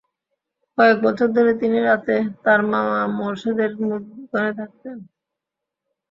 কয়েক বছর ধরে তিনি রাতে তাঁর মামা মোরশেদের মুদি দোকানে থাকতেন।